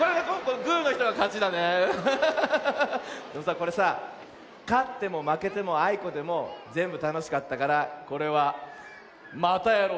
これさかってもまけてもあいこでもぜんぶたのしかったからこれは「またやろう！」